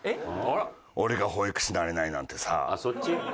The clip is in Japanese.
俺が保育士なれないなんてさ。